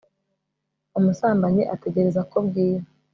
umusambanyi ategereza ko bwira